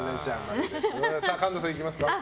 神田さん、いきますか。